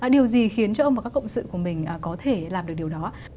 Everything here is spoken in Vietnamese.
điều gì khiến cho ông và các cộng sự của mình có thể làm được điều đó